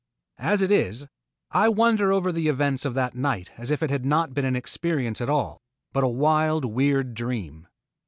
As it is, I wonder over the events of that night as if it had not been an experience at all but a wild weird dream.